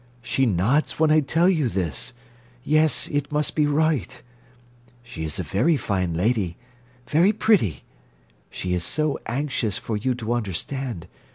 "She nods when I tell you this. Yes; it must be right. She is a very fine lady. Very pretty. She is so anxious for you to understand.